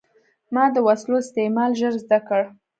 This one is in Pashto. ما د وسلو استعمال ژر زده کړ.